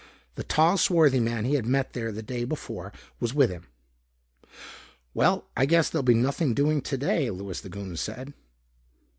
The tall, swarthy man he had met there the day before was with him. "Well, I guess there'll be nothing doing today," Louis the Goon said.